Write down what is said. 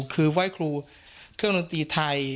คือไหว้ครูเครื่องดนตรีไทย